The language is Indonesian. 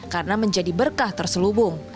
karena menjadi berkah terselubung